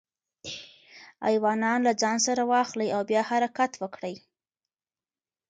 ایوانان له ځان سره واخلئ او بیا حرکت وکړئ.